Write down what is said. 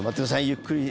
ゆっくり。